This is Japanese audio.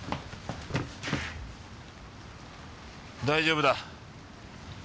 大丈夫だ。